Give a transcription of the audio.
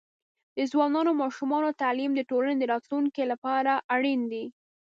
د ځوانانو او ماشومانو تعليم د ټولنې د راتلونکي لپاره اړین دی.